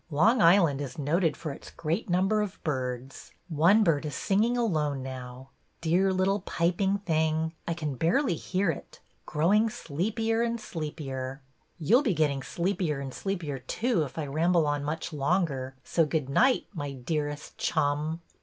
Long Island is noted for its great number of birds. One bird is singing alone now. Dear little piping thing, I can barely hear it — grow ing sleepier and sleepier! THE CLAMMERBOY 43 You 'll be getting sleepier and sleepier too, if I ramble on much longer, so good night, my dearest chum!